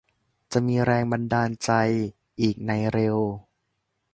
จะมีแรงบันดาลใจอีกในเร็ว